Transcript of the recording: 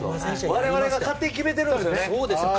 我々が勝手に決めてるんですよね。